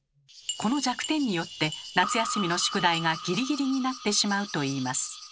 この弱点によって夏休みの宿題がギリギリになってしまうといいます。